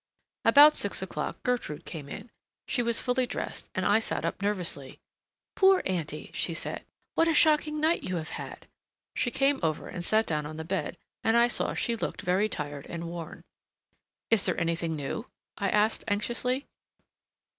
About six o'clock Gertrude came in. She was fully dressed, and I sat up nervously. "Poor Aunty!" she said. "What a shocking night you have had!" She came over and sat down on the bed, and I saw she looked very tired and worn. "Is there anything new?" I asked anxiously.